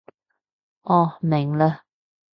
哦，明嘞